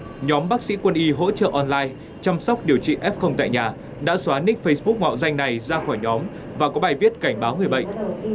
trong đó nhóm bác sĩ quân y hỗ trợ online chăm sóc điều trị f tại nhà đã xóa nick facebook mạo danh này ra khỏi nhóm và có bài viết cảnh báo người bệnh